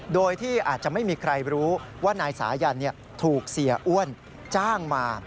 โดยที่อาจจะไม่มีใครรู้ว่านายสายันถูกเสียอ้วนจ้างมา